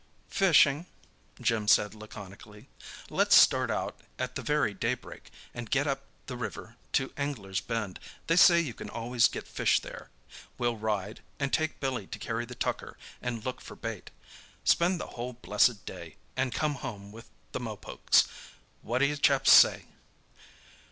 "Fishing," Jim said laconically. "Let's start out at the very daybreak, and get up the river to Anglers' Bend. They say you can always get fish there. We'll ride, and take Billy to carry the tucker and look for bait. Spend the whole blessed day, and come home with the mopokes. What do you chaps say?"